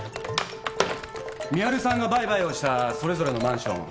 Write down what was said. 美晴さんが売買をしたそれぞれのマンション。